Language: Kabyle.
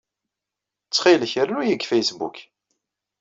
Ttxil-k, rnu-iyi deg Facebook.